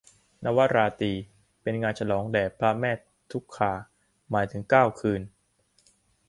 นวราตรี เป็นงานฉลองแด่พระแม่ทุรคา หมายถึงเก้าคืน